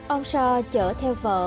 ông so chở theo vợ